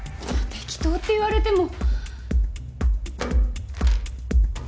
適当って言われても。